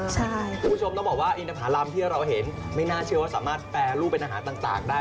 คุณผู้ชมต้องบอกว่าอินทภารำที่เราเห็นไม่น่าเชื่อว่าสามารถแปรรูปเป็นอาหารต่างได้